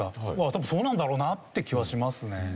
多分そうなんだろうなって気はしますね。